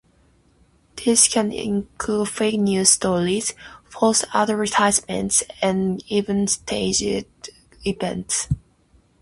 This can include fake news stories, false advertisements, and even staged events.